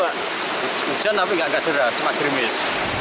hujan tapi tidak ada cepat krimis